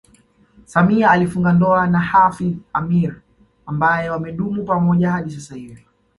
Samia alifunga ndoa na Hafidh Ameir ambaye wamedumu pamoja hadi sasa hivi